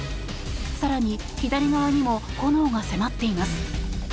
更に左側にも炎が迫っています。